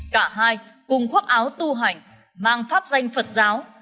cả hai cùng khoác áo tu hành mang pháp danh phật giáo